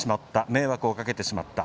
迷惑をかけてしまった。